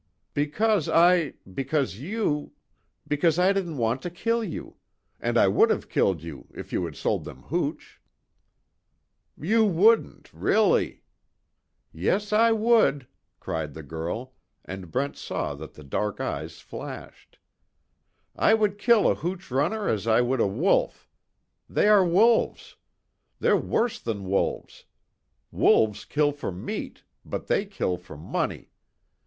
"Because I because you because I didn't want to kill you. And I would have killed you if you had sold them hooch." "You wouldn't really " "Yes, I would!" cried the girl, and Brent saw that the dark eyes flashed, "I would kill a hooch runner as I would a wolf. They are wolves. They're worse than wolves! Wolves kill for meat, but they kill for money.